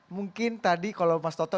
mungkin tadi kalau mas toto